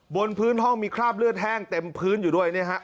บนพื้นห้องมีคราบเลือดแห้งเต็มพื้นอยู่ด้วยเนี่ยฮะ